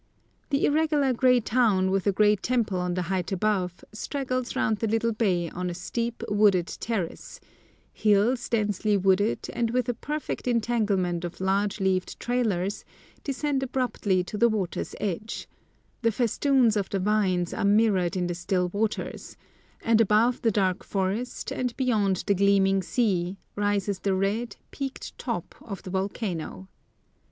The irregular grey town, with a grey temple on the height above, straggles round the little bay on a steep, wooded terrace; hills, densely wooded, and with a perfect entanglement of large leaved trailers, descend abruptly to the water's edge; the festoons of the vines are mirrored in the still waters; and above the dark forest, and beyond the gleaming sea, rises the red, peaked top of the volcano.